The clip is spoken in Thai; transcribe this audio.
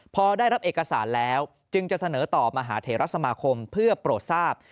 พอได้รับเอกสารแล้วจึงจะเสนอต่อมหาเทรสมาคมเพื่อโปรดทราบ